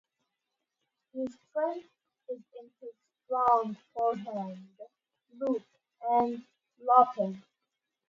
His strength is in his strong forehand loop and lobbing.